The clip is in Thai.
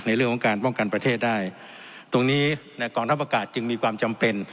ในเรื่องของการป้องกันประเทศได้ตรงนี้กองทัพอากาศจึงมีความจำเป็น